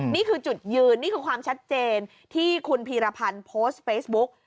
นี่คือจุดยืนนี่คือความชัดเจนที่คุณพีรพันธ์โพสต์เฟซบุ๊ก